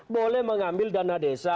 boleh mengambil dana desa